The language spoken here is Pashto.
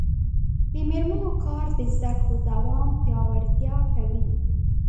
د میرمنو کار د زدکړو دوام پیاوړتیا کوي.